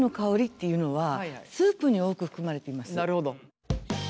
なるほど！